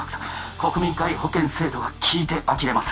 国民皆保険制度が聞いてあきれます